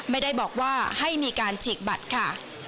ไม่ได้บอกว่าให้มีการฉีกบัตรค่ะ